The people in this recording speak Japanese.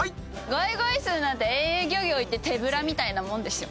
「ごいごいすー！！」なんて遠洋漁業行って手ぶらみたいなもんでしょ。